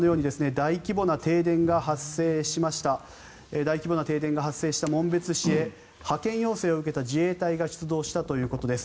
大規模な停電が発生した紋別市で派遣要請を受けた自衛隊が出動したということです。